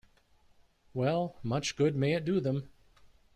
Well, much good may it do them!